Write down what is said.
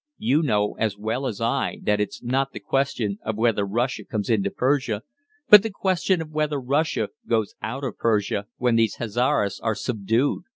"You know as well as I that it's not the question of whether Russia comes into Persia, but the question of whether Russia goes out of Persia when these Hazaras are subdued!